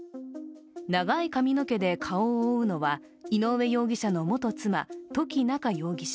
長い髪の毛で顔を覆うのは、井上容疑者の元妻、土岐菜夏容疑者。